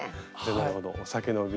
なるほどお酒の瓶。